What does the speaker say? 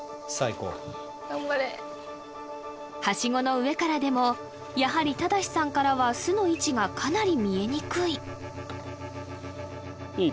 こう頑張れ梯子の上からでもやはり周士さんからは巣の位置がかなり見えにくいいい？